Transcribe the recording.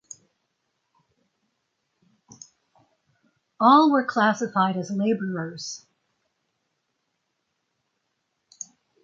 All were classified as labourers.